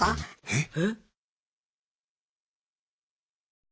えっ。